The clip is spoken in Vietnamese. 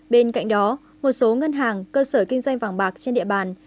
bên cạnh đó một số ngân hàng cơ sở kinh doanh vàng bạc trên địa bàn